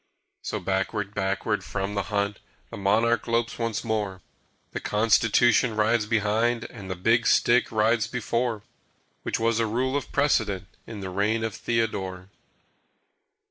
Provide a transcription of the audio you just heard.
So backward, backward from the hunt The monarch lopes once more. The Constitution rides behind And the Big Stick rides before (Which was a rule of precedent In the reign of Theodore).